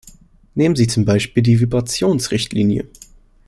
Nehmen Sie zum Beispiel die Vibrations-Richtlinie.